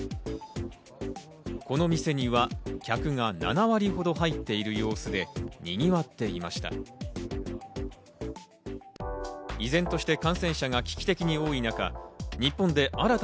この店には客が７割ほど入っている様子でにぎわっていました。